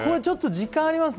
時間あります